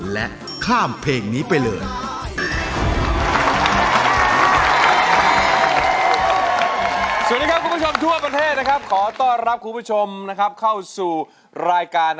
และข้ามเพลงนี้ไปเลย